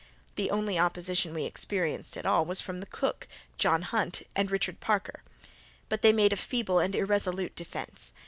The only opposition we experienced at all was from the cook, John Hunt, and Richard Parker; but they made but a feeble and irresolute defence.